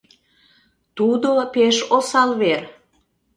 Тудо пеш осал вер!